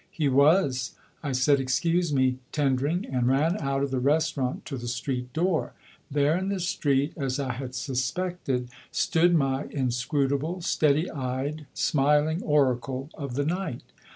He was. I said "Excuse me, Tendring," and ran out of the restaurant to the street door. There in the street, as I had suspected, stood my inscrutable, steady eyed, smiling Oracle of the night.